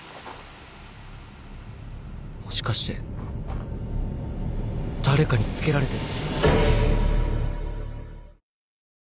もしかして誰かにつけられてる？